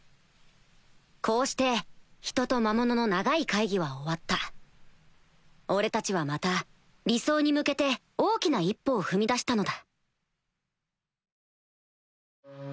こうして人と魔物の長い会議は終わった俺たちはまた理想に向けて大きな一歩を踏みだしたのだ